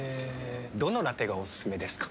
どのラテがおすすめですか？